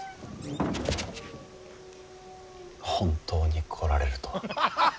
本当に来られるとは。